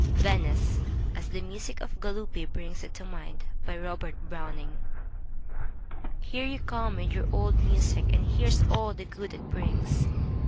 VENICE {As the music of Galuppi brings it to mind) Robert Browning Here you come with your old music, and here's all the good it brings.